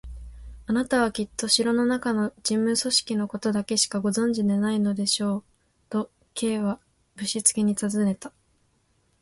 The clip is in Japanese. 「あなたはきっと城のなかの事務組織のことだけしかご存じでないのでしょう？」と、Ｋ はぶしつけにたずねた。